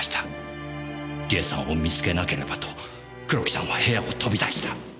梨絵さんを見つけなければと黒木さんは部屋を飛び出した。